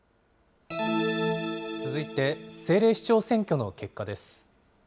続いて政令市長選挙の結果です。